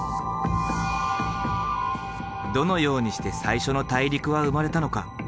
どのようにして最初の大陸は生まれたのか？